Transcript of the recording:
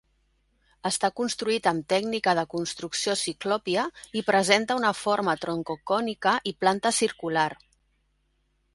Està construït amb tècnica de construcció ciclòpia i presenta una forma troncocònica i planta circular.